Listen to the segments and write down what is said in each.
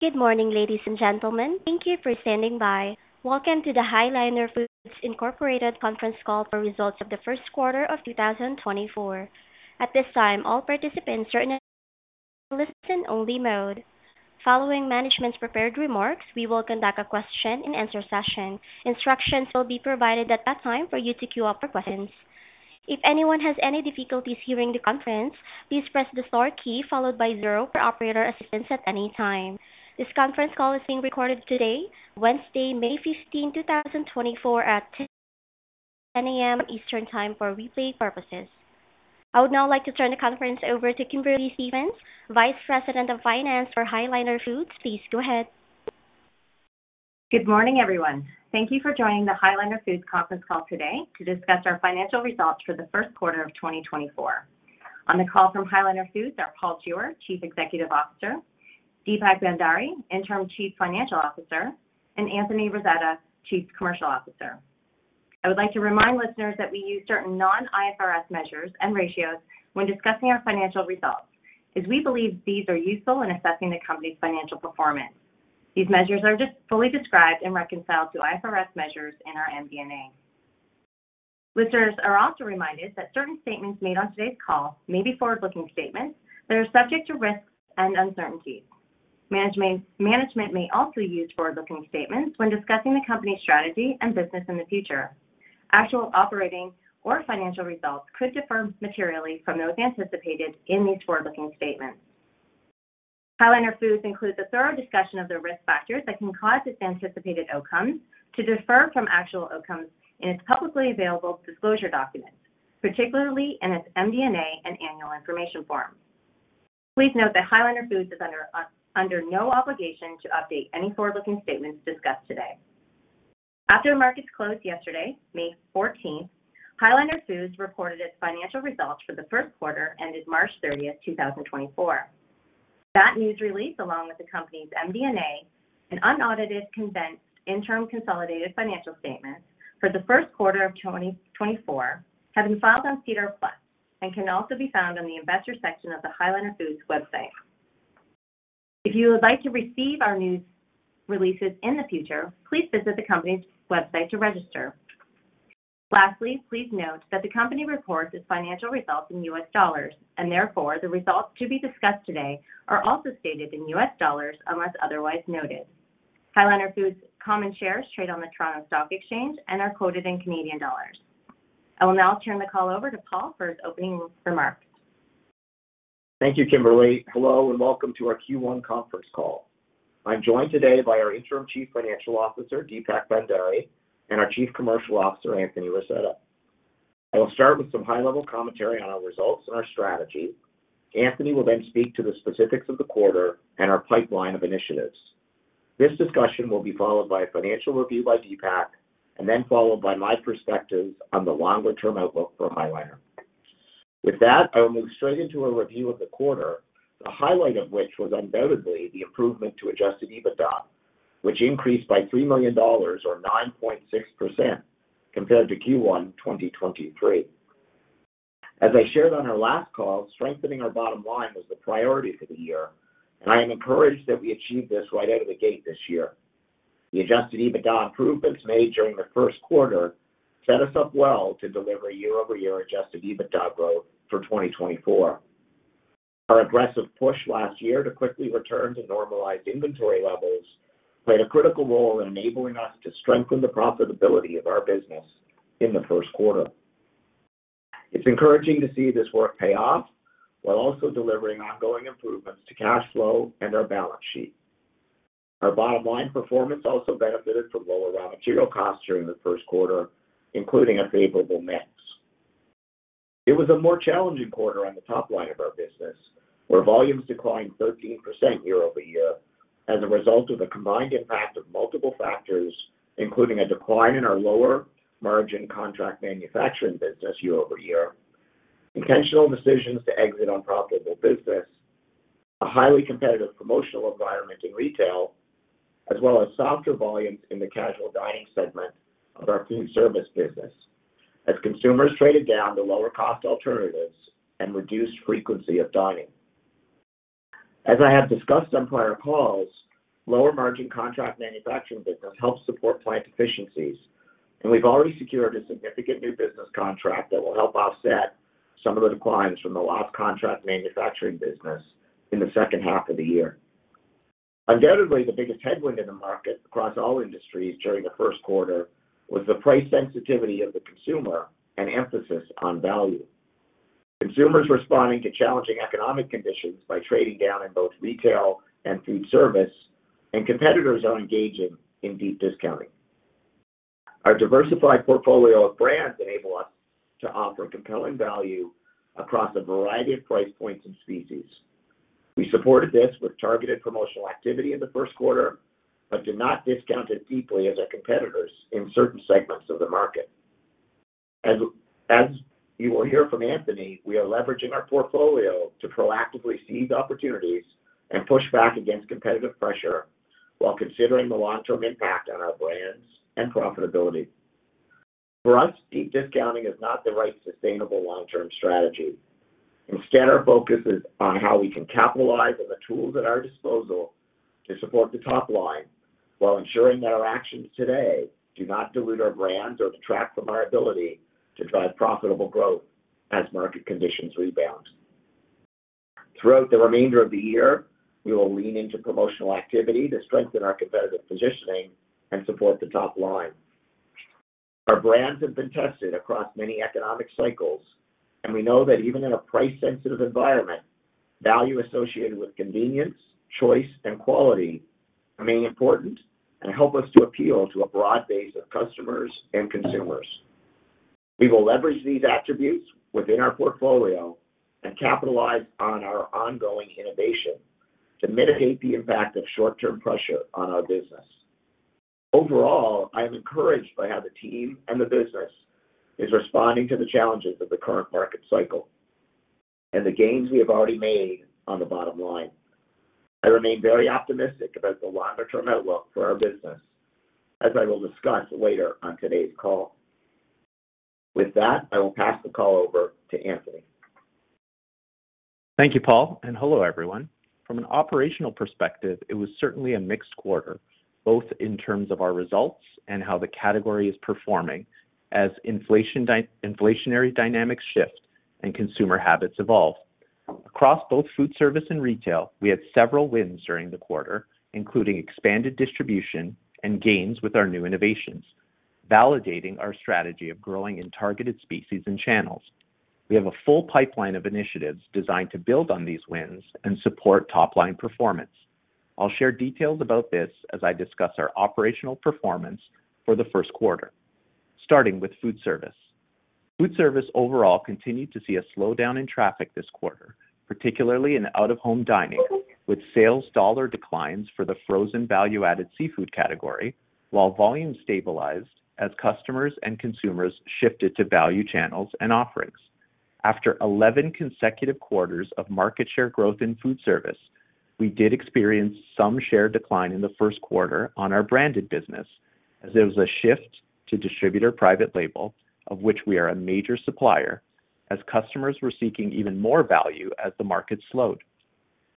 Good morning, ladies and gentlemen. Thank you for standing by. Welcome to the High Liner Foods Incorporated conference call for results of the first quarter of 2024. At this time, all participants are in a listen-only mode. Following management's prepared remarks, we will conduct a question-and-answer session. Instructions will be provided at that time for you to queue up for questions. If anyone has any difficulties hearing the conference, please press the star key followed by zero for operator assistance at any time. This conference call is being recorded today, Wednesday, May 15th, 2024, at 10:00 A.M. Eastern Time for replay purposes. I would now like to turn the conference over to Kimberly Stephens, Vice President of Finance for High Liner Foods. Please go ahead. Good morning, everyone. Thank you for joining the High Liner Foods conference call today to discuss our financial results for the first quarter of 2024. On the call from High Liner Foods are Paul Jewer, Chief Executive Officer; Deepak Bhandari, Interim Chief Financial Officer; and Anthony Rasetta, Chief Commercial Officer. I would like to remind listeners that we use certain non-IFRS measures and ratios when discussing our financial results, as we believe these are useful in assessing the company's financial performance. These measures are just fully described and reconciled to IFRS measures in our MD&A. Listeners are also reminded that certain statements made on today's call may be forward-looking statements that are subject to risks and uncertainties. Management may also use forward-looking statements when discussing the company's strategy and business in the future. Actual operating or financial results could differ materially from those anticipated in these forward-looking statements. High Liner Foods includes a thorough discussion of the risk factors that can cause its anticipated outcomes to differ from actual outcomes in its publicly available disclosure documents, particularly in its MD&A and Annual Information Form. Please note that High Liner Foods is under no obligation to update any forward-looking statements discussed today. After markets closed yesterday, May 14, High Liner Foods reported its financial results for the first quarter ended March 30th, 2024. That news release, along with the company's MD&A and unaudited condensed interim consolidated financial statements for the first quarter of 2024, have been filed on SEDAR+ and can also be found on the Investors section of the High Liner Foods website. If you would like to receive our news releases in the future, please visit the company's website to register. Lastly, please note that the company reports its financial results in US dollars, and therefore, the results to be discussed today are also stated in US dollars, unless otherwise noted. High Liner Foods common shares trade on the Toronto Stock Exchange and are quoted in Canadian dollars. I will now turn the call over to Paul for his opening remarks. Thank you, Kimberly. Hello, and welcome to our Q1 conference call. I'm joined today by our interim Chief Financial Officer, Deepak Bhandari, and our Chief Commercial Officer, Anthony Rasetta. I will start with some high-level commentary on our results and our strategy. Anthony will then speak to the specifics of the quarter and our pipeline of initiatives. This discussion will be followed by a financial review by Deepak and then followed by my perspectives on the longer-term outlook for High Liner. With that, I will move straight into a review of the quarter, the highlight of which was undoubtedly the improvement to adjusted EBITDA, which increased by $3 million, or 9.6%, compared to Q1 2023. As I shared on our last call, strengthening our bottom line was the priority for the year, and I am encouraged that we achieved this right out of the gate this year. The adjusted EBITDA improvements made during the first quarter set us up well to deliver year-over-year adjusted EBITDA growth for 2024. Our aggressive push last year to quickly return to normalized inventory levels played a critical role in enabling us to strengthen the profitability of our business in the first quarter. It's encouraging to see this work pay off while also delivering ongoing improvements to cash flow and our balance sheet. Our bottom line performance also benefited from lower raw material costs during the first quarter, including a favorable mix. It was a more challenging quarter on the top line of our business, where volumes declined 13% year-over-year as a result of the combined impact of multiple factors, including a decline in our lower margin contract manufacturing business year-over-year, intentional decisions to exit unprofitable business, a highly competitive promotional environment in retail, as well as softer volumes in the casual dining segment of our food service business as consumers traded down to lower-cost alternatives and reduced frequency of dining. As I have discussed on prior calls, lower-margin contract manufacturing business helps support plant efficiencies, and we've already secured a significant new business contract that will help offset some of the declines from the lost contract manufacturing business in the second half of the year. Undoubtedly, the biggest headwind in the market across all industries during the first quarter was the price sensitivity of the consumer and emphasis on value. Consumers responding to challenging economic conditions by trading down in both retail and food service, and competitors are engaging in deep discounting. Our diversified portfolio of brands enable us to offer compelling value across a variety of price points and species. We supported this with targeted promotional activity in the first quarter, but did not discount it deeply as our competitors in certain segments of the market. As you will hear from Anthony, we are leveraging our portfolio to proactively seize opportunities and push back against competitive pressure while considering the long-term impact on our brands and profitability. For us, deep discounting is not the right sustainable long-term strategy. Instead, our focus is on how we can capitalize on the tools at our disposal to support the top line, while ensuring that our actions today do not dilute our brands or detract from our ability to drive profitable growth as market conditions rebound. Throughout the remainder of the year, we will lean into promotional activity to strengthen our competitive positioning and support the top line. Our brands have been tested across many economic cycles, and we know that even in a price-sensitive environment, value associated with convenience, choice, and quality remain important and help us to appeal to a broad base of customers and consumers. We will leverage these attributes within our portfolio and capitalize on our ongoing innovation to mitigate the impact of short-term pressure on our business. Overall, I am encouraged by how the team and the business is responding to the challenges of the current market cycle and the gains we have already made on the bottom line. I remain very optimistic about the longer-term outlook for our business, as I will discuss later on today's call. With that, I will pass the call over to Anthony. Thank you, Paul, and hello, everyone. From an operational perspective, it was certainly a mixed quarter, both in terms of our results and how the category is performing as inflationary dynamics shift and consumer habits evolve. Across both food service and retail, we had several wins during the quarter, including expanded distribution and gains with our new innovations, validating our strategy of growing in targeted species and channels. We have a full pipeline of initiatives designed to build on these wins and support top-line performance. I'll share details about this as I discuss our operational performance for the first quarter, starting with food service. Food service overall continued to see a slowdown in traffic this quarter, particularly in out-of-home dining, with sales dollar declines for the frozen value-added seafood category, while volume stabilized as customers and consumers shifted to value channels and offerings. After 11 consecutive quarters of market share growth in food service, we did experience some share decline in the first quarter on our branded business, as there was a shift to distributor private label, of which we are a major supplier, as customers were seeking even more value as the market slowed.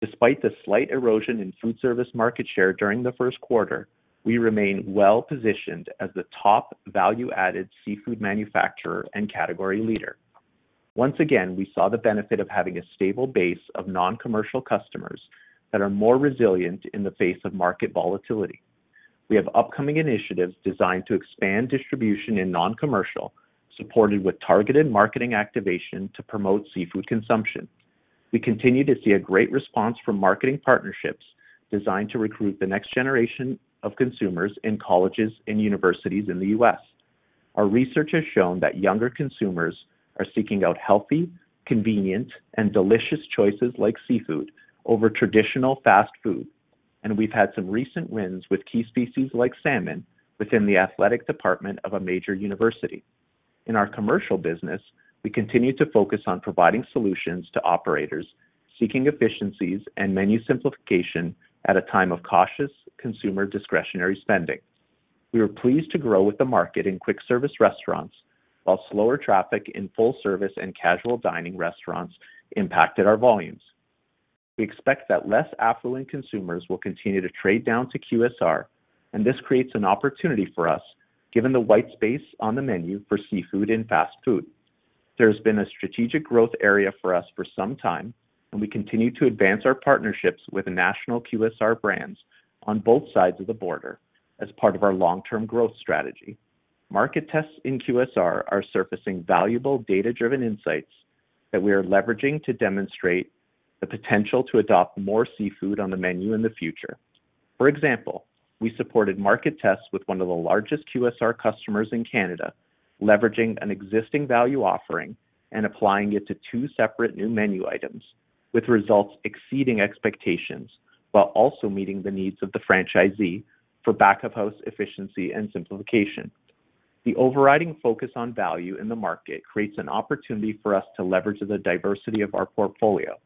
Despite the slight erosion in food service market share during the first quarter, we remain well positioned as the top value-added seafood manufacturer and category leader. Once again, we saw the benefit of having a stable base of non-commercial customers that are more resilient in the face of market volatility. We have upcoming initiatives designed to expand distribution in non-commercial, supported with targeted marketing activation to promote seafood consumption. We continue to see a great response from marketing partnerships designed to recruit the next generation of consumers in colleges and universities in the U.S. Our research has shown that younger consumers are seeking out healthy, convenient, and delicious choices like seafood over traditional fast food, and we've had some recent wins with key species like salmon within the athletic department of a major university. In our commercial business, we continue to focus on providing solutions to operators seeking efficiencies and menu simplification at a time of cautious consumer discretionary spending. We were pleased to grow with the market in quick service restaurants, while slower traffic in full service and casual dining restaurants impacted our volumes. We expect that less affluent consumers will continue to trade down to QSR, and this creates an opportunity for us, given the white space on the menu for seafood and fast food. There's been a strategic growth area for us for some time, and we continue to advance our partnerships with the national QSR brands on both sides of the border as part of our long-term growth strategy. Market tests in QSR are surfacing valuable data-driven insights that we are leveraging to demonstrate the potential to adopt more seafood on the menu in the future. For example, we supported market tests with one of the largest QSR customers in Canada, leveraging an existing value offering and applying it to two separate new menu items, with results exceeding expectations, while also meeting the needs of the franchisee for back-of-house efficiency and simplification. The overriding focus on value in the market creates an opportunity for us to leverage the diversity of our portfolio.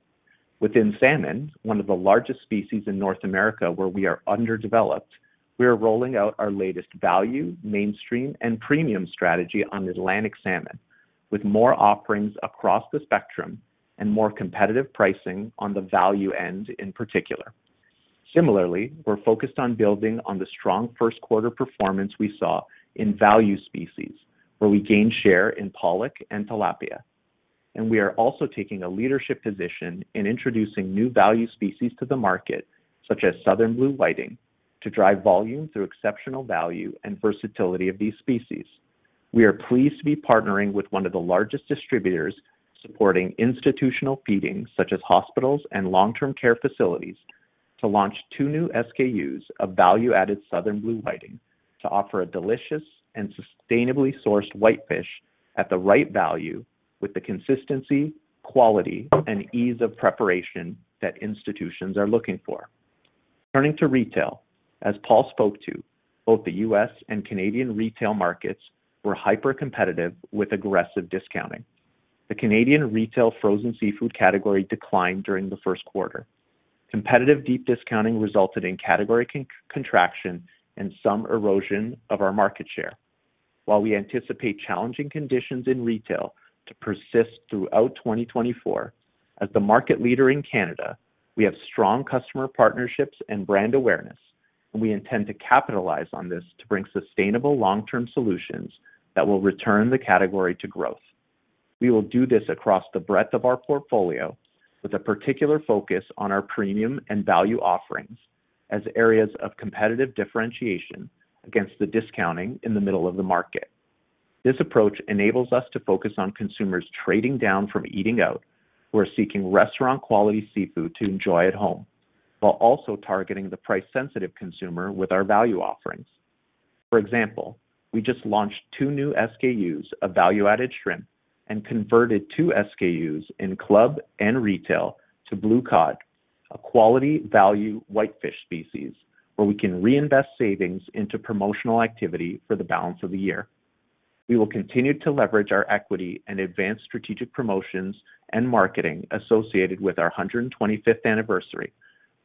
Within salmon, one of the largest species in North America, where we are underdeveloped, we are rolling out our latest value, mainstream, and premium strategy on Atlantic salmon, with more offerings across the spectrum and more competitive pricing on the value end in particular. Similarly, we're focused on building on the strong first quarter performance we saw in value species, where we gained share in pollock and tilapia, and we are also taking a leadership position in introducing new value species to the market, such as southern blue whiting, to drive volume through exceptional value and versatility of these species. We are pleased to be partnering with one of the largest distributors supporting institutional feeding, such as hospitals and long-term care facilities, to launch two new SKUs of value-added southern blue whiting to offer a delicious and sustainably sourced whitefish at the right value, with the consistency, quality, and ease of preparation that institutions are looking for. Turning to retail, as Paul spoke to, both the U.S. and Canadian retail markets were hypercompetitive with aggressive discounting. The Canadian retail frozen seafood category declined during the first quarter. Competitive deep discounting resulted in category contraction and some erosion of our market share. While we anticipate challenging conditions in retail to persist throughout 2024, as the market leader in Canada, we have strong customer partnerships and brand awareness, and we intend to capitalize on this to bring sustainable long-term solutions that will return the category to growth. We will do this across the breadth of our portfolio, with a particular focus on our premium and value offerings as areas of competitive differentiation against the discounting in the middle of the market. This approach enables us to focus on consumers trading down from eating out, who are seeking restaurant quality seafood to enjoy at home, while also targeting the price-sensitive consumer with our value offerings. For example, we just launched two new SKUs of value-added shrimp and converted two SKUs in club and retail to Blue Cod, a quality value whitefish species, where we can reinvest savings into promotional activity for the balance of the year. We will continue to leverage our equity and advance strategic promotions and marketing associated with our 125th anniversary,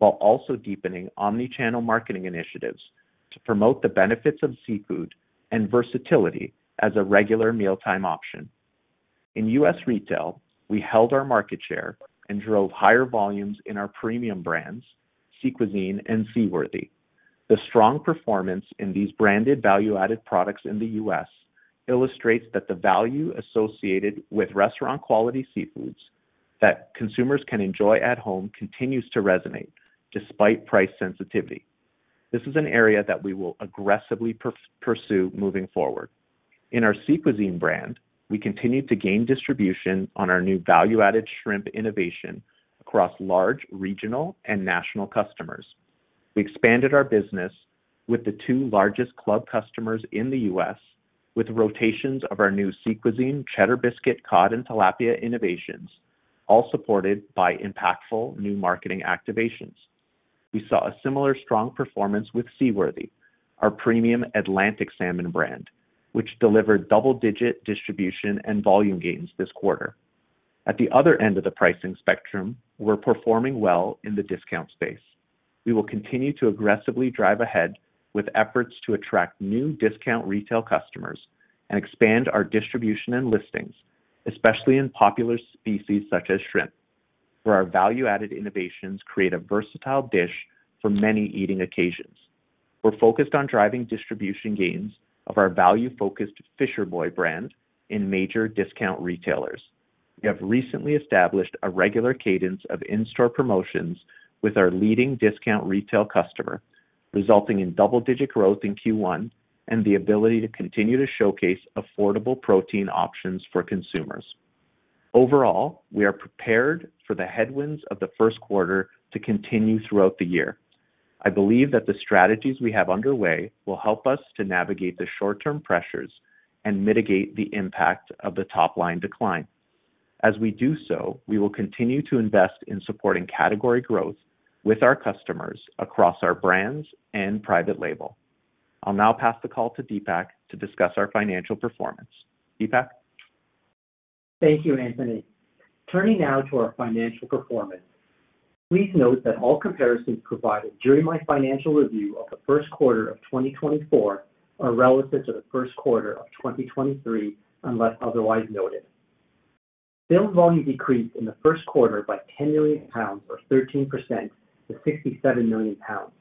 while also deepening omni-channel marketing initiatives to promote the benefits of seafood and versatility as a regular mealtime option. In US retail, we held our market share and drove higher volumes in our premium brands, Sea Cuisine and Seaworthy. The strong performance in these branded value-added products in the US illustrates that the value associated with restaurant quality seafoods that consumers can enjoy at home continues to resonate despite price sensitivity. This is an area that we will aggressively pursue moving forward. In our Sea Cuisine brand, we continued to gain distribution on our new value-added shrimp innovation across large regional and national customers. We expanded our business with the two largest club customers in the US, with rotations of our new Sea Cuisine Cheddar Biscuit Cod and Tilapia innovations, all supported by impactful new marketing activations. We saw a similar strong performance with Seaworthy, our premium Atlantic Salmon brand, which delivered double-digit distribution and volume gains this quarter. At the other end of the pricing spectrum, we're performing well in the discount space. We will continue to aggressively drive ahead with efforts to attract new discount retail customers and expand our distribution and listings, especially in popular species such as shrimp, where our value-added innovations create a versatile dish for many eating occasions. We're focused on driving distribution gains of our value-focused Fisher Boy brand in major discount retailers. We have recently established a regular cadence of in-store promotions with our leading discount retail customer, resulting in double-digit growth in Q1 and the ability to continue to showcase affordable protein options for consumers. Overall, we are prepared for the headwinds of the first quarter to continue throughout the year. I believe that the strategies we have underway will help us to navigate the short-term pressures and mitigate the impact of the top line decline. As we do so, we will continue to invest in supporting category growth with our customers across our brands and private label. I'll now pass the call to Deepak to discuss our financial performance. Deepak? Thank you, Anthony. Turning now to our financial performance. Please note that all comparisons provided during my financial review of the first quarter of 2024 are relative to the first quarter of 2023, unless otherwise noted. Sales volume decreased in the first quarter by 10 million pounds, or 13%, to 67 million pounds.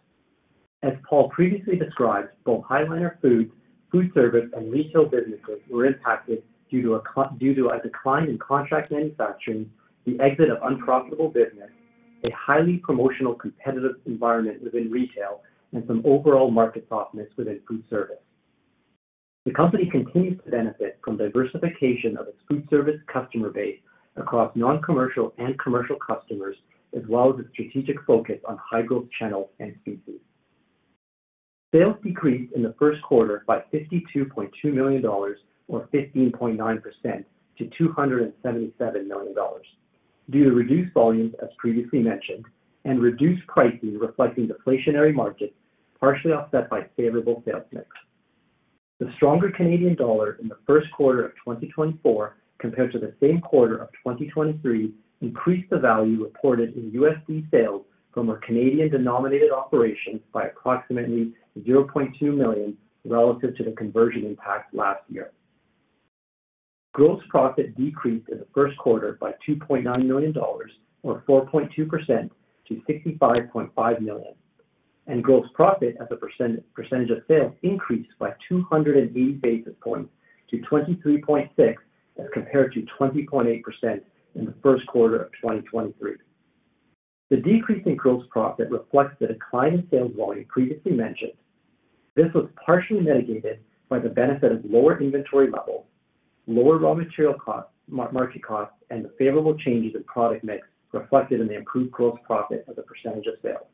As Paul previously described, both High Liner Foods, food service, and retail businesses were impacted due to a decline in contract manufacturing, the exit of unprofitable business, a highly promotional competitive environment within retail, and some overall market softness within food service. The company continues to benefit from diversification of its food service customer base across non-commercial and commercial customers, as well as a strategic focus on high growth channels and species. Sales decreased in the first quarter by $52.2 million, or 15.9% to $277 million, due to reduced volumes, as previously mentioned, and reduced pricing, reflecting deflationary markets, partially offset by favorable sales mix. The stronger Canadian dollar in the first quarter of 2024 compared to the same quarter of 2023 increased the value reported in USD sales from our Canadian denominated operations by approximately $0.2 million relative to the conversion impact last year. Gross profit decreased in the first quarter by $2.9 million, or 4.2% to $65.5 million, and gross profit as a percent, percentage of sales increased by 280 basis points to 23.6, as compared to 20.8% in the first quarter of 2023. The decrease in gross profit reflects the decline in sales volume previously mentioned. This was partially mitigated by the benefit of lower inventory levels, lower raw material cost, market costs, and the favorable changes in product mix reflected in the improved gross profit as a percentage of sales.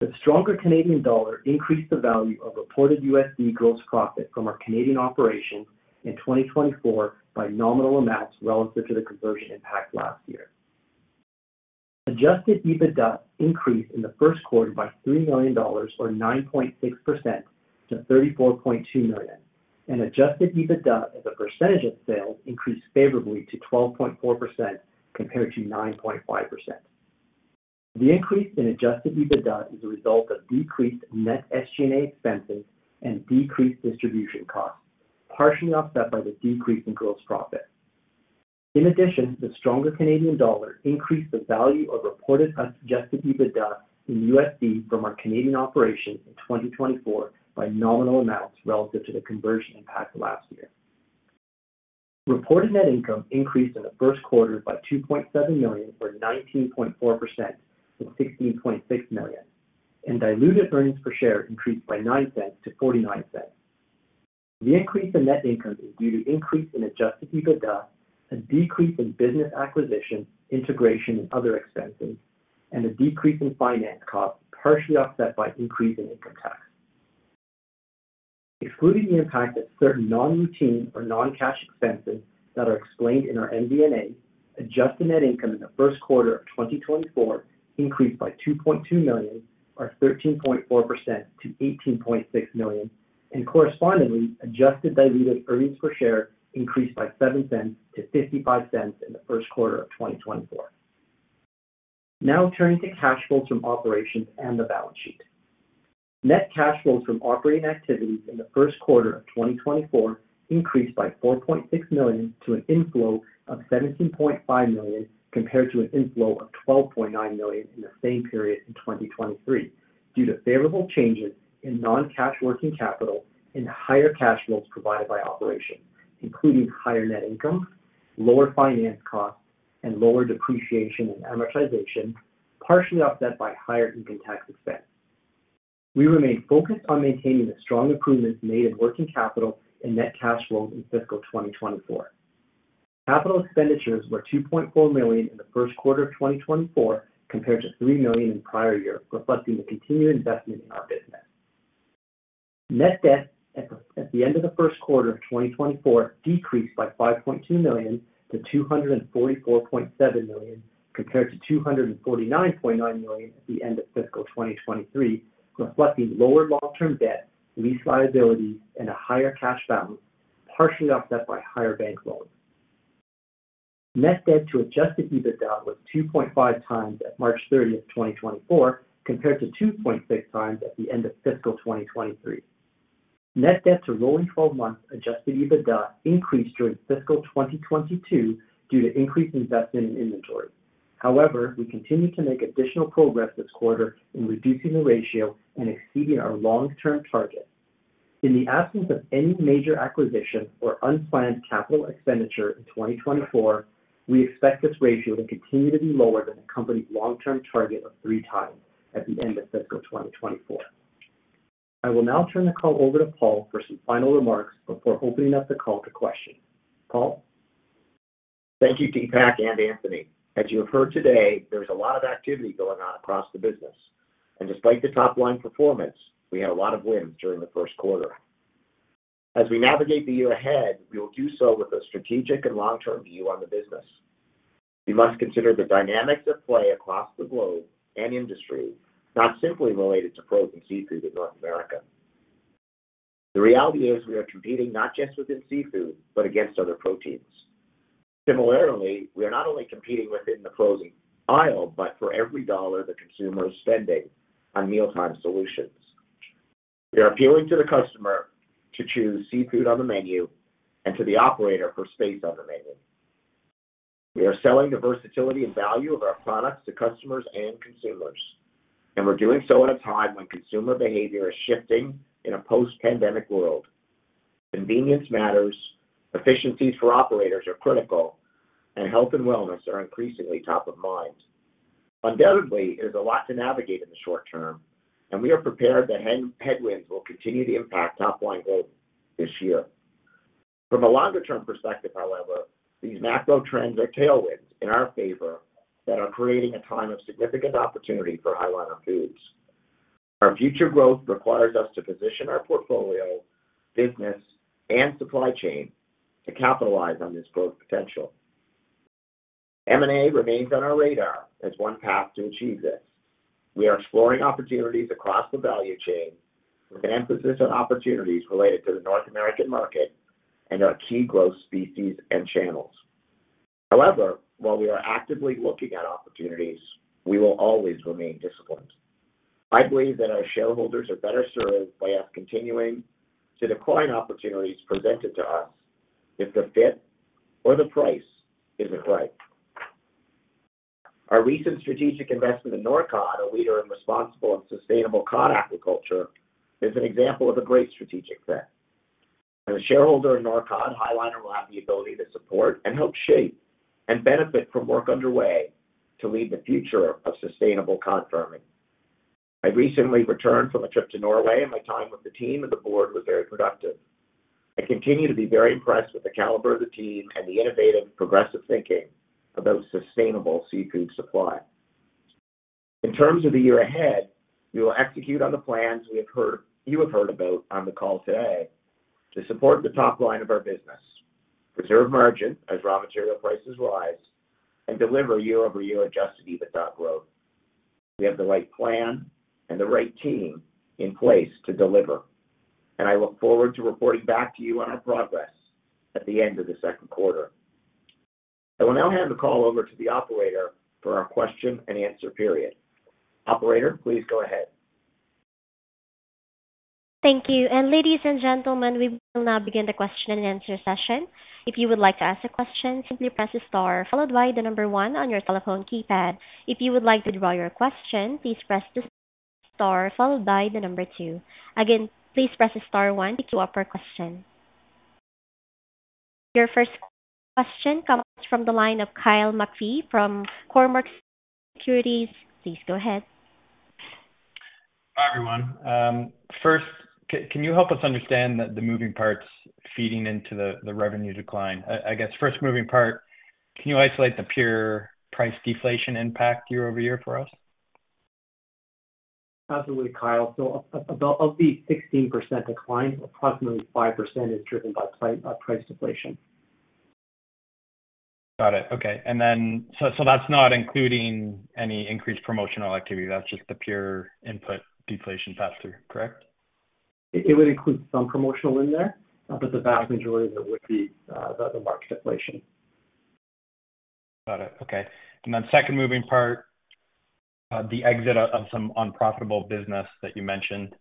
The stronger Canadian dollar increased the value of reported USD gross profit from our Canadian operations in 2024 by nominal amounts relative to the conversion impact last year. Adjusted EBITDA increased in the first quarter by $3 million, or 9.6% to $34.2 million... and adjusted EBITDA as a percentage of sales increased favorably to 12.4% compared to 9.5%. The increase in adjusted EBITDA is a result of decreased net SG&A expenses and decreased distribution costs, partially offset by the decrease in gross profit. In addition, the stronger Canadian dollar increased the value of reported adjusted EBITDA in USD from our Canadian operations in 2024 by nominal amounts relative to the conversion impact last year. Reported net income increased in the first quarter by $2.7 million, or 19.4% from $16.6 million, and diluted earnings per share increased by $0.09 to $0.49. The increase in net income is due to increase in adjusted EBITDA, a decrease in business acquisition, integration, and other expenses, and a decrease in finance costs, partially offset by increase in income tax. Excluding the impact of certain non-routine or non-cash expenses that are explained in our MD&A, adjusted net income in the first quarter of 2024 increased by $2.2 million or 13.4% to $18.6 million, and correspondingly, adjusted diluted earnings per share increased by $0.07 to $0.55 in the first quarter of 2024. Now turning to cash flows from operations and the balance sheet. Net cash flows from operating activities in the first quarter of 2024 increased by $4.6 million to an inflow of $17.5 million, compared to an inflow of $12.9 million in the same period in 2023, due to favorable changes in non-cash working capital and higher cash flows provided by operations, including higher net income, lower finance costs, and lower depreciation and amortization, partially offset by higher income tax expense. We remain focused on maintaining the strong improvements made in working capital and net cash flow in fiscal 2024. Capital expenditures were $2.4 million in the first quarter of 2024, compared to $3 million in the prior year, reflecting the continued investment in our business. Net debt at the end of the first quarter of 2024 decreased by $5.2 million to $244.7 million, compared to $249.9 million at the end of fiscal 2023, reflecting lower long-term debt, lease liabilities, and a higher cash balance, partially offset by higher bank loans. Net debt to adjusted EBITDA was 2.5 times at March 30, 2024, compared to 2.6 times at the end of fiscal 2023. Net debt to rolling twelve-month adjusted EBITDA increased during fiscal 2022 due to increased investment in inventory. However, we continued to make additional progress this quarter in reducing the ratio and exceeding our long-term target. In the absence of any major acquisition or unplanned capital expenditure in 2024, we expect this ratio to continue to be lower than the company's long-term target of 3x at the end of fiscal 2024. I will now turn the call over to Paul for some final remarks before opening up the call to questions. Paul? Thank you, Deepak and Anthony. As you have heard today, there's a lot of activity going on across the business, and despite the top-line performance, we had a lot of wins during the first quarter. As we navigate the year ahead, we will do so with a strategic and long-term view on the business. We must consider the dynamics at play across the globe and industry, not simply related to frozen seafood in North America. The reality is, we are competing not just within seafood, but against other proteins. Similarly, we are not only competing within the frozen aisle, but for every dollar the consumer is spending on mealtime solutions. We are appealing to the customer to choose seafood on the menu and to the operator for space on the menu. We are selling the versatility and value of our products to customers and consumers, and we're doing so at a time when consumer behavior is shifting in a post-pandemic world. Convenience matters, efficiencies for operators are critical, and health and wellness are increasingly top of mind. Undoubtedly, there's a lot to navigate in the short term, and we are prepared that headwinds will continue to impact top-line growth this year. From a longer-term perspective, however, these macro trends are tailwinds in our favor that are creating a time of significant opportunity for High Liner Foods. Our future growth requires us to position our portfolio, business, and supply chain to capitalize on this growth potential. M&A remains on our radar as one path to achieve this. We are exploring opportunities across the value chain with an emphasis on opportunities related to the North American market and our key growth species and channels. However, while we are actively looking at opportunities, we will always remain disciplined. I believe that our shareholders are better served by us continuing to decline opportunities presented to us if the fit or the price isn't right. Our recent strategic investment in Norcod, a leader in responsible and sustainable cod aquaculture, is an example of a great strategic fit. As a shareholder in Norcod, High Liner will have the ability to support and help shape and benefit from work underway to lead the future of sustainable cod farming. I recently returned from a trip to Norway, and my time with the team and the board was very productive. I continue to be very impressed with the caliber of the team and the innovative, progressive thinking about sustainable seafood supply. In terms of the year ahead, we will execute on the plans we have heard—you have heard about on the call today to support the top line of our business, preserve margin as raw material prices rise, and deliver year-over-year adjusted EBITDA growth. We have the right plan and the right team in place to deliver, and I look forward to reporting back to you on our progress at the end of the second quarter. I will now hand the call over to the operator for our question and answer period. Operator, please go ahead. Thank you. Ladies and gentlemen, we will now begin the question and answer session. If you would like to ask a question, simply press star, followed by the number 1 on your telephone keypad. If you would like to withdraw your question, please press the star, followed by the number 2. Again, please press star 1 to queue up your question. Your first question comes from the line of Kyle McPhee from Cormark Securities. Please go ahead. Hi, everyone. First, can you help us understand the moving parts feeding into the revenue decline? I guess, first moving part, can you isolate the pure price deflation impact year over year for us? Absolutely, Kyle. So, of the 16% decline, approximately 5% is driven by price deflation. Got it. Okay. And then, so, so that's not including any increased promotional activity. That's just the pure input deflation pass-through, correct? It would include some promotional in there, but the vast majority of it would be the market deflation. Got it. Okay. And then second moving part, the exit of, of some unprofitable business that you mentioned.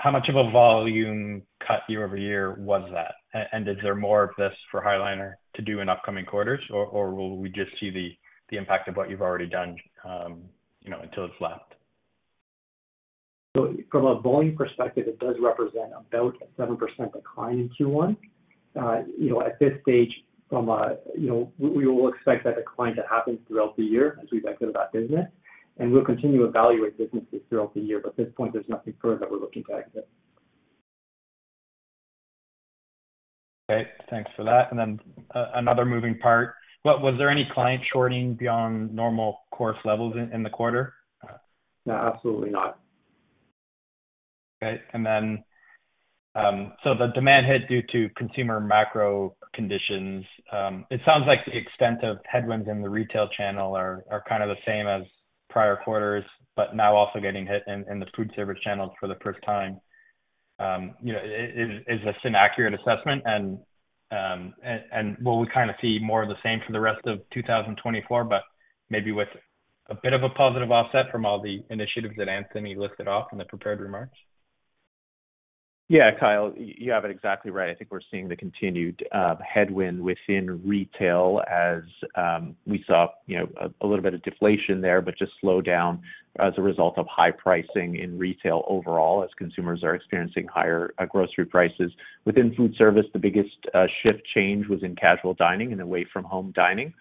How much of a volume cut year over year was that? And is there more of this for High Liner to do in upcoming quarters, or, or will we just see the, the impact of what you've already done, you know, until it's left? So from a volume perspective, it does represent about 7% decline in Q1. You know, at this stage, you know, we will expect that decline to happen throughout the year as we've exited that business, and we'll continue to evaluate businesses throughout the year. But at this point, there's nothing further that we're looking to exit. Okay, thanks for that. And then, another moving part, was there any client shorting beyond normal course levels in the quarter? No, absolutely not. Okay. And then, so the demand hit due to consumer macro conditions, it sounds like the extent of headwinds in the retail channel are kind of the same as prior quarters, but now also getting hit in the food service channels for the first time. You know, is this an accurate assessment? And, and will we kind of see more of the same for the rest of 2024, but maybe with a bit of a positive offset from all the initiatives that Anthony listed off in the prepared remarks? Yeah, Kyle, you have it exactly right. I think we're seeing the continued headwind within retail as we saw, you know, a little bit of deflation there, but just slow down as a result of high pricing in retail overall, as consumers are experiencing higher grocery prices. Within food service, the biggest shift change was in casual dining and away from home dining.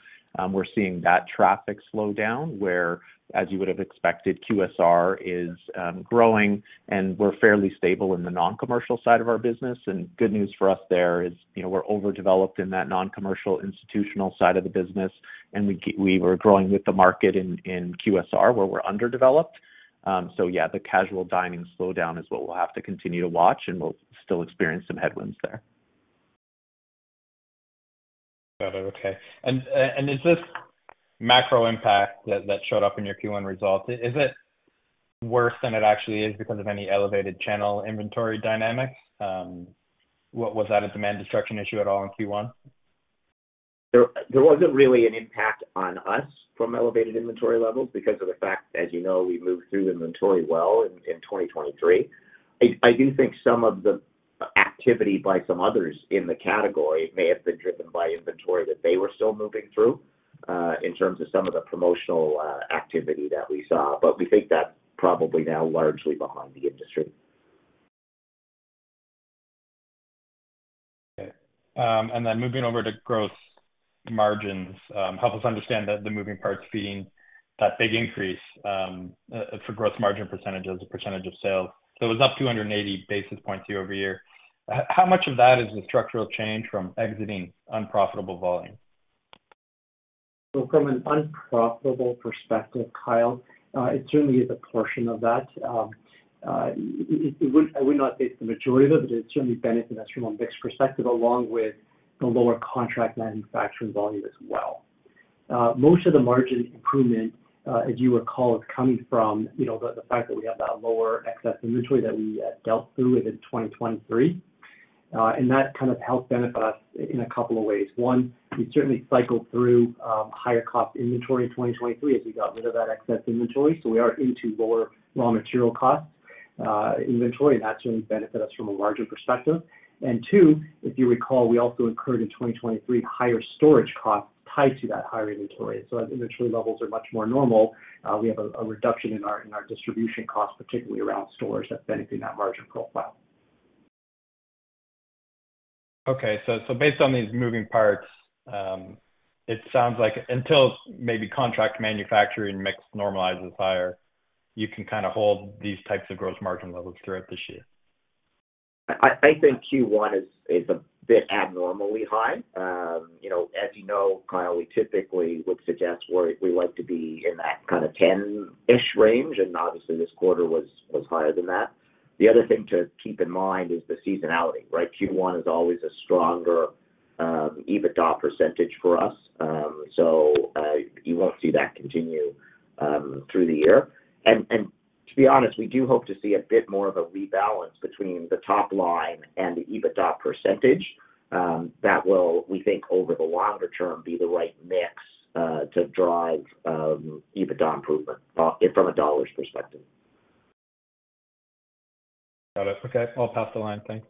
We're seeing that traffic slow down, where, as you would have expected, QSR is growing, and we're fairly stable in the non-commercial side of our business. And good news for us there is, you know, we're overdeveloped in that non-commercial institutional side of the business, and we were growing with the market in QSR, where we're underdeveloped. So yeah, the casual dining slowdown is what we'll have to continue to watch, and we'll still experience some headwinds there. Got it. Okay. And is this macro impact that showed up in your Q1 results, is it worse than it actually is because of any elevated channel inventory dynamics? What was that a demand destruction issue at all in Q1? There wasn't really an impact on us from elevated inventory levels because of the fact, as you know, we moved through the inventory well in 2023. I do think some of the activity by some others in the category may have been driven by inventory that they were still moving through, in terms of some of the promotional activity that we saw. But we think that's probably now largely behind the industry. Okay. And then moving over to gross margins, help us understand the moving parts feeding that big increase for gross margin percentage as a percentage of sales. So it was up 280 basis points year-over-year. How much of that is the structural change from exiting unprofitable volume? So from an unprofitable perspective, Kyle, it certainly is a portion of that. It would—I would not say it's the majority of it, but it certainly benefit us from a mixed perspective, along with the lower contract manufacturing volume as well. Most of the margin improvement, as you recall, is coming from, you know, the fact that we have that lower excess inventory that we dealt through within 2023. And that kind of helped benefit us in a couple of ways. One, we certainly cycled through higher cost inventory in 2023 as we got rid of that excess inventory, so we are into lower raw material costs inventory, and that certainly benefit us from a larger perspective. And two, if you recall, we also incurred in 2023, higher storage costs tied to that higher inventory. So as inventory levels are much more normal, we have a reduction in our distribution costs, particularly around storage, that's benefiting that margin profile. Okay. So based on these moving parts, it sounds like until maybe contract manufacturing mix normalizes higher, you can kind of hold these types of gross margin levels throughout this year. I think Q1 is a bit abnormally high. You know, as you know, Kyle, we typically would suggest where we like to be in that kind of 10-ish range, and obviously, this quarter was higher than that. The other thing to keep in mind is the seasonality, right? Q1 is always a stronger EBITDA percentage for us. So, you won't see that continue, through the year. And to be honest, we do hope to see a bit more of a rebalance between the top line and the EBITDA percentage, that will, we think, over the longer term, be the right mix, to drive, EBITDA improvement, from a dollars perspective. Got it. Okay, I'll pass the line. Thanks.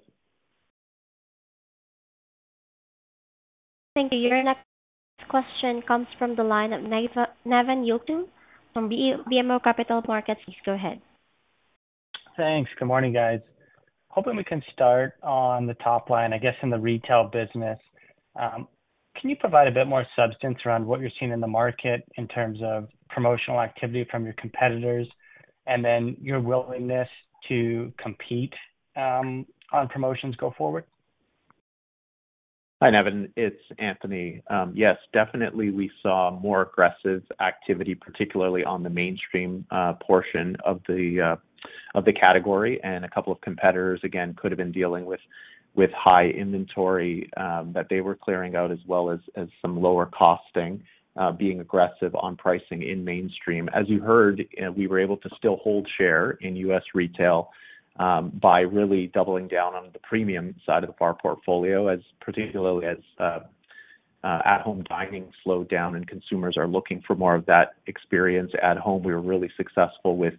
Thank you. Your next question comes from the line of Nevan Yochim from BMO Capital Markets. Please go ahead. Thanks. Good morning, guys. Hoping we can start on the top line, I guess, in the retail business. Can you provide a bit more substance around what you're seeing in the market in terms of promotional activity from your competitors, and then your willingness to compete on promotions go forward? Hi, Neven. It's Anthony. Yes, definitely we saw more aggressive activity, particularly on the mainstream portion of the category. And a couple of competitors, again, could have been dealing with high inventory that they were clearing out, as well as some lower costing being aggressive on pricing in mainstream. As you heard, we were able to still hold share in U.S. retail by really doubling down on the premium side of our portfolio, particularly as at-home dining slowed down and consumers are looking for more of that experience at home. We were really successful with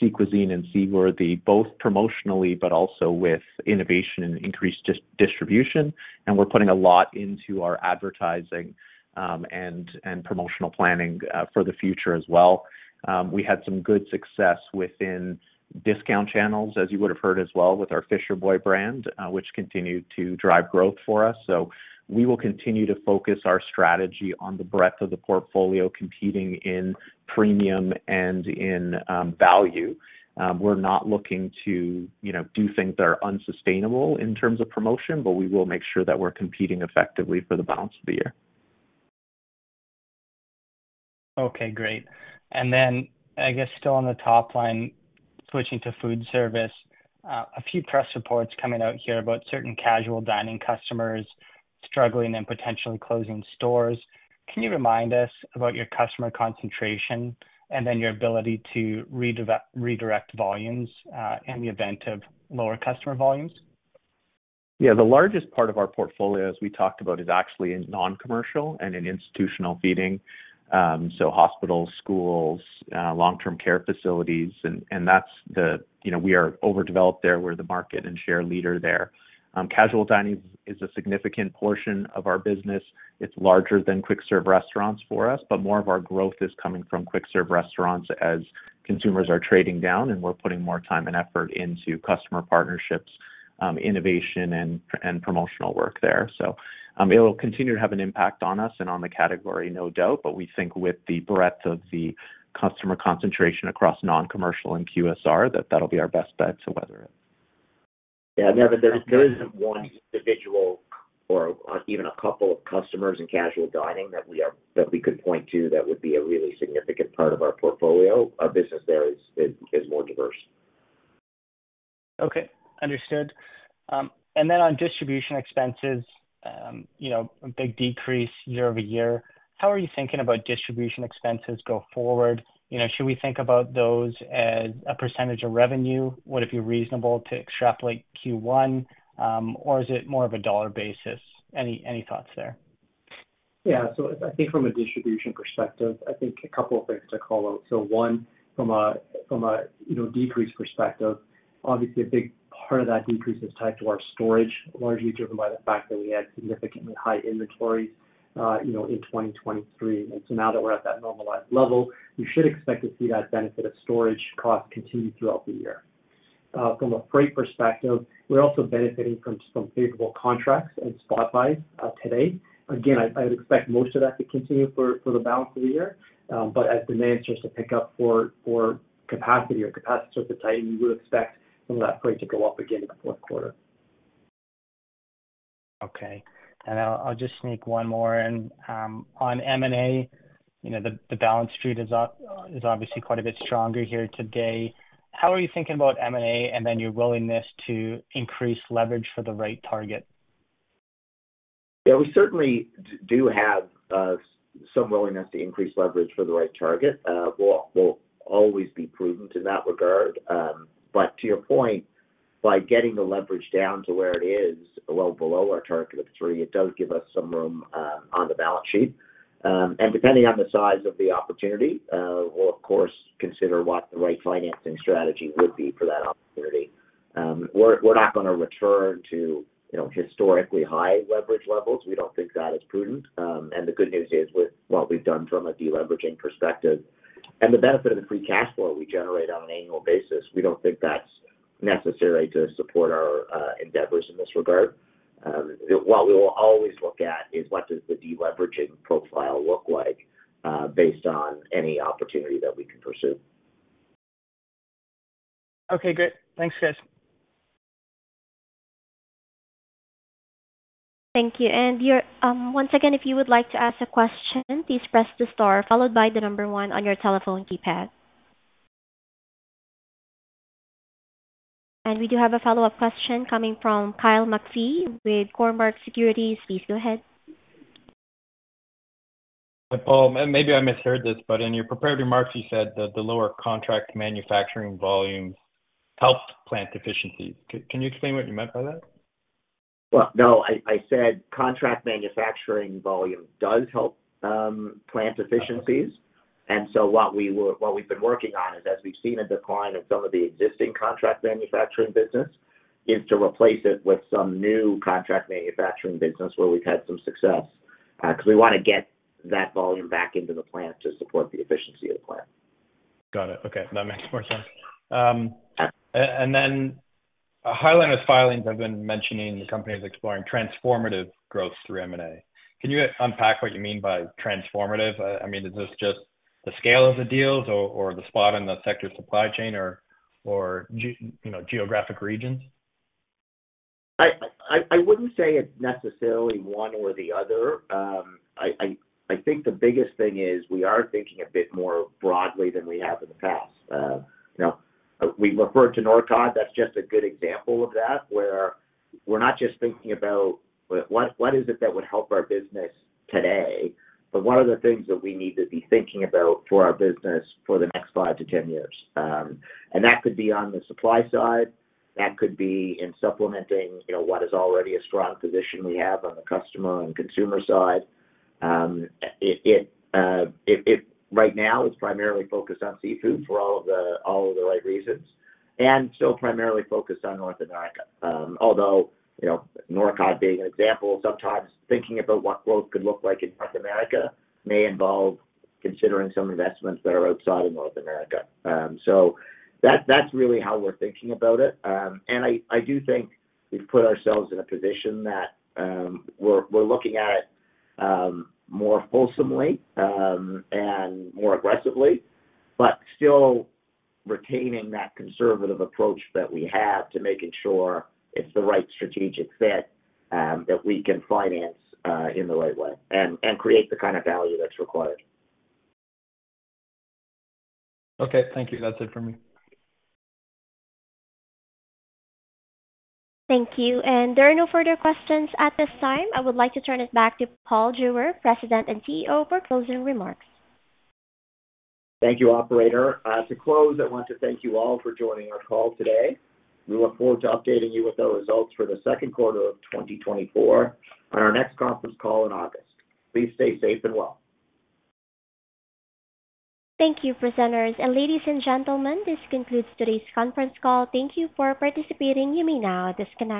Sea Cuisine and Seaworthy, both promotionally but also with innovation and increased distribution. And we're putting a lot into our advertising and promotional planning for the future as well. We had some good success within discount channels, as you would have heard as well with our Fisher Boy brand, which continued to drive growth for us. So we will continue to focus our strategy on the breadth of the portfolio, competing in premium and in value. We're not looking to, you know, do things that are unsustainable in terms of promotion, but we will make sure that we're competing effectively for the balance of the year. Okay, great. Then, I guess, still on the top line, switching to food service. A few press reports coming out here about certain casual dining customers struggling and potentially closing stores. Can you remind us about your customer concentration and then your ability to redirect volumes in the event of lower customer volumes? Yeah, the largest part of our portfolio, as we talked about, is actually in non-commercial and in institutional feeding. So hospitals, schools, long-term care facilities, and that's the... You know, we are overdeveloped there. We're the market and share leader there. Casual dining is a significant portion of our business. It's larger than quick-serve restaurants for us, but more of our growth is coming from quick-serve restaurants as consumers are trading down, and we're putting more time and effort into customer partnerships, innovation, and promotional work there. So, it will continue to have an impact on us and on the category, no doubt, but we think with the breadth of the customer concentration across non-commercial and QSR, that that'll be our best bet to weather it. Yeah, Neven, there isn't one individual or even a couple of customers in casual dining that we could point to that would be a really significant part of our portfolio. Our business there is more diverse. Okay, understood. And then on distribution expenses, you know, a big decrease year-over-year. How are you thinking about distribution expenses go forward? You know, should we think about those as a percentage of revenue? Would it be reasonable to extrapolate Q1, or is it more of a dollar basis? Any thoughts there? Yeah, so I think from a distribution perspective, I think a couple of things to call out. So one, from a decrease perspective, obviously, a big part of that decrease is tied to our storage, largely driven by the fact that we had significantly high inventory, you know, in 2023. And so now that we're at that normalized level, you should expect to see that benefit of storage costs continue throughout the year. From a freight perspective, we're also benefiting from some favorable contracts and spot buys today. Again, I would expect most of that to continue for the balance of the year. But as demand starts to pick up for capacity to tighten, you would expect some of that freight to go up again in the fourth quarter. Okay. And I'll just sneak one more in. On M&A, you know, the balance sheet is obviously quite a bit stronger here today. How are you thinking about M&A and then your willingness to increase leverage for the right target? Yeah, we certainly do have some willingness to increase leverage for the right target. We'll always be prudent in that regard. But to your point, by getting the leverage down to where it is, well below our target of 3, it does give us some room on the balance sheet. And depending on the size of the opportunity, we'll of course consider what the right financing strategy would be for that opportunity. We're not gonna return to, you know, historically high leverage levels. We don't think that is prudent. And the good news is, with what we've done from a deleveraging perspective and the benefit of the free cash flow we generate on an annual basis, we don't think that's necessary to support our endeavors in this regard. What we will always look at is: What does the deleveraging profile look like, based on any opportunity that we can pursue? Okay, great. Thanks, guys. Thank you. Once again, if you would like to ask a question, please press the star followed by the number one on your telephone keypad. And we do have a follow-up question coming from Kyle McPhee with Cormark Securities. Please go ahead. Paul, maybe I misheard this, but in your prepared remarks, you said that the lower contract manufacturing volumes helped plant efficiencies. Can you explain what you meant by that? Well, no, I, I said contract manufacturing volume does help plant efficiencies. And so what we were—what we've been working on is, as we've seen a decline in some of the existing contract manufacturing business, is to replace it with some new contract manufacturing business where we've had some success. Because we wanna get that volume back into the plant to support the efficiency of the plant. Got it. Okay, that makes more sense. And then a highlight of filings have been mentioning the company is exploring transformative growth through M&A. Can you unpack what you mean by transformative? I mean, is this just the scale of the deals or, or the spot in the sector supply chain or, or, you know, geographic regions? I wouldn't say it's necessarily one or the other. I think the biggest thing is we are thinking a bit more broadly than we have in the past. You know, we referred to Norcod, that's just a good example of that, where we're not just thinking about what is it that would help our business today, but what are the things that we need to be thinking about for our business for the next 5-10 years? And that could be on the supply side, that could be in supplementing, you know, what is already a strong position we have on the customer and consumer side. It right now is primarily focused on seafood for all of the right reasons, and still primarily focused on North America. Although, you know, Norcod being an example, sometimes thinking about what growth could look like in North America may involve considering some investments that are outside of North America. So that's really how we're thinking about it. And I do think we've put ourselves in a position that we're looking at it more wholesomely and more aggressively, but still retaining that conservative approach that we have to making sure it's the right strategic fit, that we can finance in the right way and create the kind of value that's required. Okay, thank you. That's it for me. Thank you. There are no further questions at this time. I would like to turn it back to Paul Jewer, President and CEO, for closing remarks. Thank you, operator. To close, I want to thank you all for joining our call today. We look forward to updating you with our results for the second quarter of 2024 on our next conference call in August. Please stay safe and well. Thank you, presenters. Ladies and gentlemen, this concludes today's conference call. Thank you for participating. You may now disconnect.